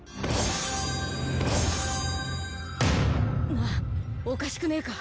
なあおかしくねぇか？